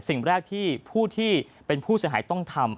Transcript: สิ่งแรกที่ผู้ที่เป็นผู้เสียหายต้องทำ